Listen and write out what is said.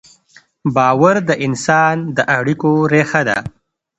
باور د انسان د اړیکو ریښه ده.